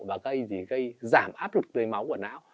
và gây giảm áp lực dưới máu của não